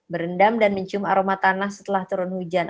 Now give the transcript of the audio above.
berendam dan mencium aroma tanah setelah turun hujan